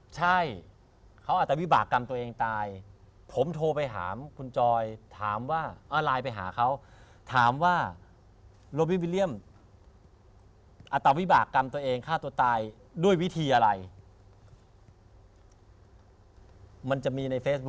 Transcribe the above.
ใช่เขาอัตวิบากรรมตัวเองตายผมโทรไปถามคุณจอยถามว่าไลน์ไปหาเขาถามว่าโลบิวิเลียมอัตวิบากรรมตัวเองฆ่าตัวตายด้วยวิธีอะไรมันจะมีในเฟซบุ